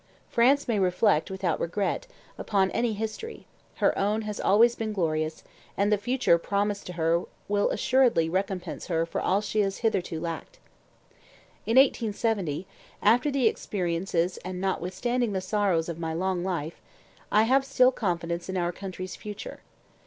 France may reflect, without regret, upon any history: her own has always been glorious, and the future promised to her will assuredly recompense her for all she has hitherto lacked.' In 1870, after the experiences and notwithstanding the sorrows of my long life, I have still confidence in our country's future.